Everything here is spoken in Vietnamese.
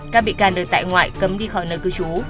các bị can được tại ngoại cấm đi khỏi nơi cư trú